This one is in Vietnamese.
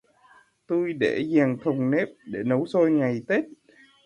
Tui để dèng thùng nếp để nấu xôi ngày Tết